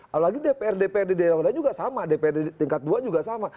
apalagi dpr dpr di deodaya juga sama dpr di tingkat dua juga sama